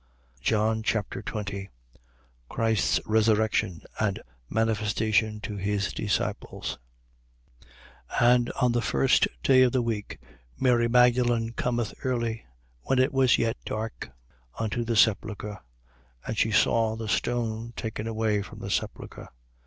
John Chapter 20 Christ's resurrection and manifestation to his disciples. 20:1. And on the first day of the week, Mary Magdalen cometh early, when it was yet dark, unto the sepulchre: and she saw the stone taken away from the sepulchre.